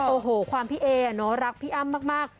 โอ้โหความพี่เอรักพี่อ้ามมาก